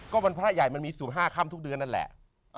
ก็วันพระใหญ่มันมี๑๕ค่ำทุกเดือนนั่นแหละ